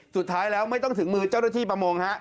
สุดท้ายแล้วไม่ต้องถึงมือเจ้าหน้าที่ประมงฮะ